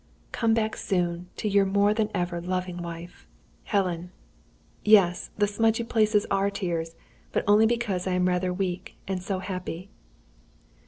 "Come back soon, to your more than ever loving wife, "HELEN. "Yes, the smudgy places are tears, but only because I am rather weak, and so happy."